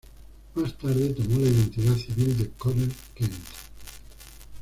Más tarde, tomó la identidad civil de Conner Kent.